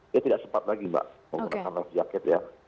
dia tidak sempat lagi pak menggunakan life jacket ya